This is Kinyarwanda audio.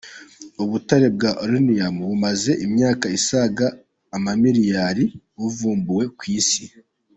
Ubutare bwa Uranium bumaze imyaka isaga amamiliyari buvumbuwe ku Isi.